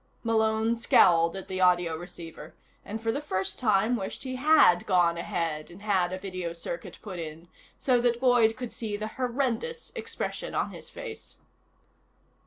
Malone scowled at the audio receiver, and for the first time wished he had gone ahead and had a video circuit put in, so that Boyd could see the horrendous expression on his face.